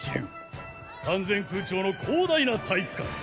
完全空調の広大な体育館。